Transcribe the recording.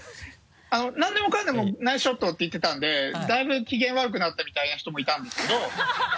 何でもかんでも「ナイスショット」て言ってたんでだいぶ機嫌悪くなったみたいな人もいたんですけど。